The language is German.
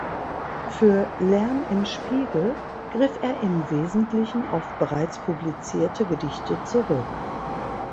Für "Lärm im Spiegel" griff er im Wesentlichen auf bereits publizierte Gedichte zurück.